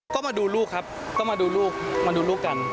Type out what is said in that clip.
ก็มาดูลูกครับมาดูลูกกัน